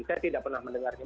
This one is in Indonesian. saya tidak pernah mendengarnya